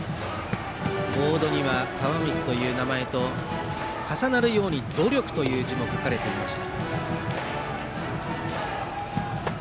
ボードには川満という名前と重なるように「努力」という字も書かれていました。